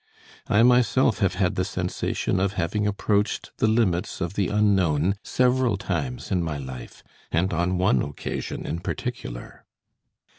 I myself have had the sensation of having approached the limits of the unknown several times in my life, and on one occasion in particular."